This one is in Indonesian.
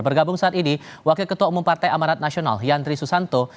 bergabung saat ini wakil ketua umum partai amanat nasional yandri susanto